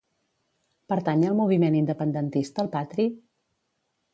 Pertany al moviment independentista el Patri?